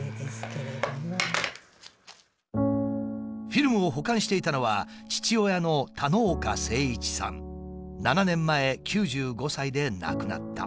フィルムを保管していたのは父親の７年前９５歳で亡くなった。